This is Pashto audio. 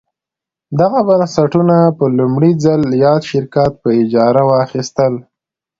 دغه بنسټونه په لومړي ځل یاد شرکت په اجاره واخیستل.